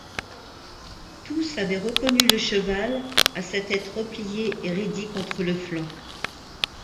Tous avaient reconnu le cheval, à sa tête repliée et raidie contre le flanc.